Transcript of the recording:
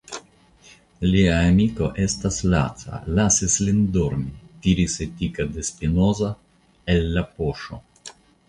Lia amiko estas laca, lasis lin dormi, tiris Etika de Spinoza el la poŝo.